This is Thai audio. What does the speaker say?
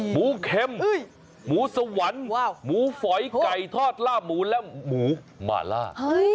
หมูเค็มหมูสวรรค์หมูฝอยไก่ทอดลาบหมูและหมูหมาล่า